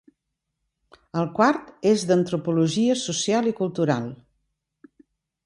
El quart és d'Antropologia Social i Cultural.